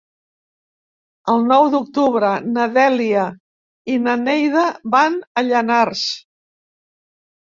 El nou d'octubre na Dèlia i na Neida van a Llanars.